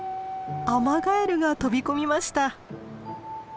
アマガエルが飛び込みました。